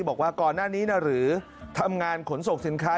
บอกว่าก่อนหน้านี้นะหรือทำงานขนส่งสินค้า